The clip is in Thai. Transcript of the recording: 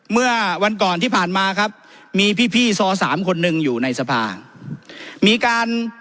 เมื่อวันก่อนที่ผ่านมาครับมีพี่พี่ซอสามคนหนึ่งอยู่ในสภามีการ